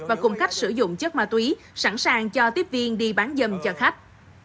và cùng khách sử dụng chất ma túy sẵn sàng cho tiếp viên đi bán dâm cho khách